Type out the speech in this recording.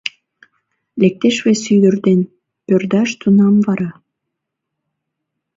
Лектеш вес ӱдыр ден пӧрдаш тунам вара